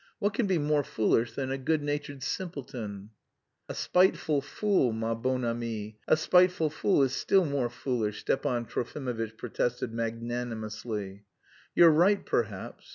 What can be more foolish than a good natured simpleton?" "A spiteful fool, ma bonne amie, a spiteful fool is still more foolish," Stepan Trofimovitch protested magnanimously. "You're right, perhaps.